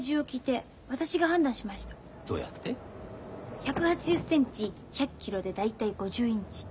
１８０センチ１００キロで大体５０インチ。